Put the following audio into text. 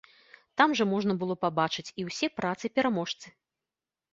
Там жа можна было пабачыць і ўсе працы-пераможцы.